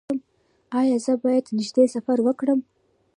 ایا زه باید نږدې سفر وکړم؟